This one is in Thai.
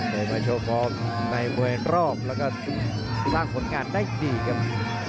มาโชว์ฟอร์มในมวยรอบแล้วก็สร้างผลงานได้ดีครับ